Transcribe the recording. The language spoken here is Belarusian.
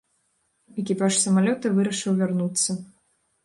Экіпаж самалёта вырашыў вярнуцца.